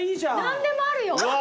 何でもあるよ。